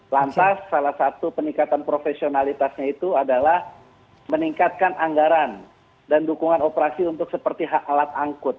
lantas salah satu peningkatan profesionalitasnya itu adalah meningkatkan anggaran dan dukungan operasi untuk seperti alat angkut